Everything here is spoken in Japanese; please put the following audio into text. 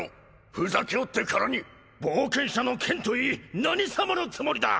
ふざけおってからに・冒険者の件といい何様のつもりだ！